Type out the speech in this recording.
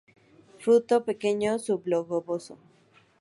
Fruto pequeño, subgloboso.